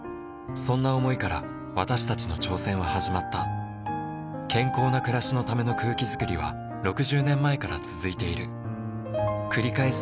そんな想いから私たちの挑戦は始まった健康な暮らしのための空気づくりは６０年前から続いている繰り返す